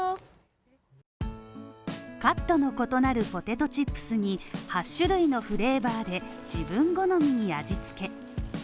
カットの異なるポテトチップスに、８種類のフレーバーで自分好みに味付け。